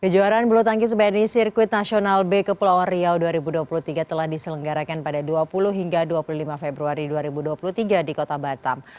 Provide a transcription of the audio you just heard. kejuaraan bulu tangkis bni sirkuit nasional b ke pulau riau dua ribu dua puluh tiga telah diselenggarakan pada dua puluh hingga dua puluh lima februari dua ribu dua puluh tiga di kota batam